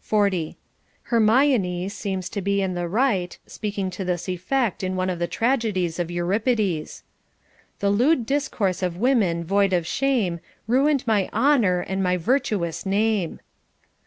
40. Hermione seems to be in the right, speaking to this effect in one of the tragedies of Euripides : The lewd discourse of women void of shame Ruined my honor and my virtuous name.